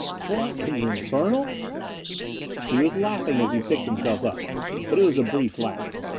"What in the infernal! " He was laughing as he picked himself up. But it was a brief laugh.